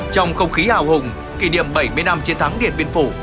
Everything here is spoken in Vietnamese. trong không khí hào hùng kỷ niệm bảy mươi năm chiến thắng điện biên phủ